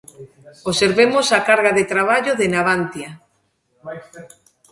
Observemos a carga de traballo de Navantia.